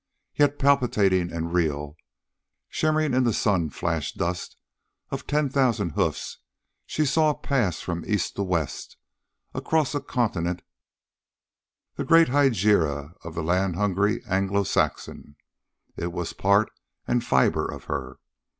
Yet, palpitating and real, shimmering in the sun flashed dust of ten thousand hoofs, she saw pass, from East to West, across a continent, the great hegira of the land hungry Anglo Saxon. It was part and fiber of her.